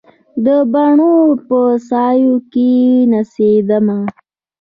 د بڼوڼو په سایو کې نڅېدمه